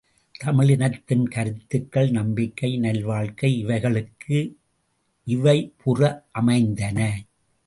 தமிழினத்தின் கருத்துக்கள் நம்பிக்கை, நல்வாழ்க்கை இவைகளுக்கு இயைபுற அமைந்தன.